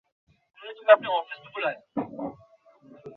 আমি ধীরে ধীরে এটার স্বাদ নেওয়ার চেষ্টা করছি।